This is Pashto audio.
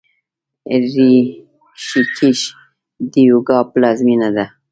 ریشیکیش د یوګا پلازمینه ده.